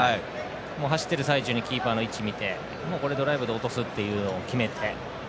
走っている最中にキーパーの位置を見てこれ、ドライブで落とすと決めて。